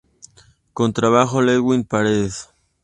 Contrabajo: Ludwig Paredes.